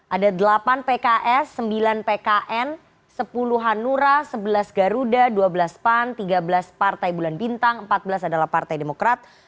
ada delapan pks sembilan pkn sepuluh hanura sebelas garuda dua belas pan tiga belas partai bulan bintang empat belas adalah partai demokrat